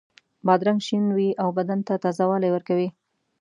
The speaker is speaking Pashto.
بادرنګ شین وي او بدن ته تازه والی ورکوي.